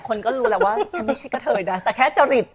คนก็รู้แล้วว่าฉันไม่ใช่กะเทยนะแต่แค่จริต